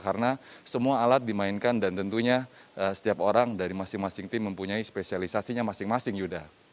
karena semua alat dimainkan dan tentunya setiap orang dari masing masing tim mempunyai spesialisasinya masing masing yuda